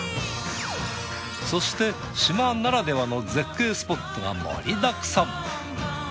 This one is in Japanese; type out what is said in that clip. そして島ならではの絶景スポットが盛りだくさん。